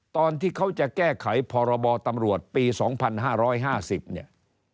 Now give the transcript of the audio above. ต้องจะแก้ไขพรบตำรวจปี๒๕๕๐เนี่ย